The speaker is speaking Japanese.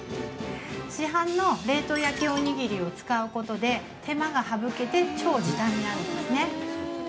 市販の冷凍焼きおにぎりを使うことで、手間が省けて超時短になるんですね。